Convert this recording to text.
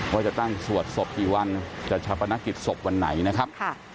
ว่าจะตั้งสวดศพกี่วันจะชาปนกิจศพวันไหนนะครับ